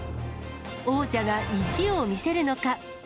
王者が意地を見せるのか。